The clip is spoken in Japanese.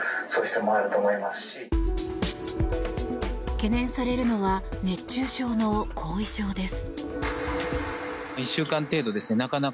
懸念されるのは熱中症の後遺症です。